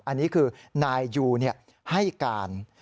อันนี้คือนายยูให้การ